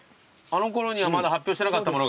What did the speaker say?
あのころにはまだ発表してなかったものが？